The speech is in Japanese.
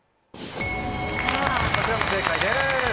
こちらも正解です。